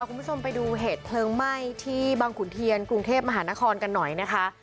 คุณผู้ชมไปดูเหตุเพลิงไหม้ที่บังขุนเทียนกรุงเทพมหานครกันหน่อยนะคะ